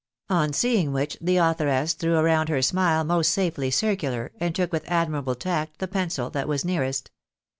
On seeing which the authoress threw around her a smile most safely circular, and took with admirable tact the pencil that was nearest.